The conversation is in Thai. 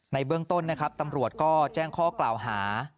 ในเบื้องต้นนะครับตำรวจก็แจ้งข้อกล่าวหา